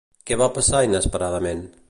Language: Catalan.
Què va passar inesperadament?